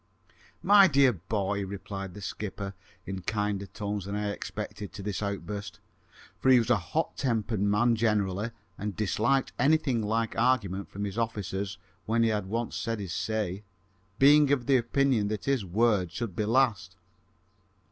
"My dear boy," replied the skipper, in kinder tones than I expected to this outburst, for he was a hot tempered man generally, and disliked anything like argument from his officers when he had once said his say, being of the opinion that his word should be last.